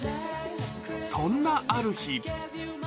そんなある日。